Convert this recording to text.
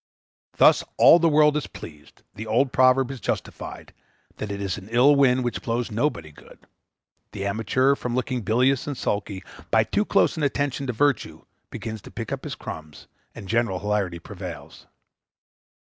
Thus all the world is pleased; the old proverb is justified, that it is an ill wind which blows nobody good; the amateur, from looking bilious and sulky, by too close an attention to virtue, begins to pick up his crumbs, and general hilarity prevails.